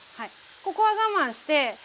ここは我慢して。